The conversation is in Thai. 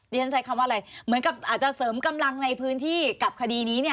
ฉันใช้คำว่าอะไรเหมือนกับอาจจะเสริมกำลังในพื้นที่กับคดีนี้เนี่ย